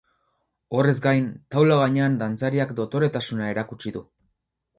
Horrez gain, taula gainean dantzariak dotoretasuna erakutsi du.